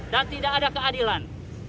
dan tidak ada keadilan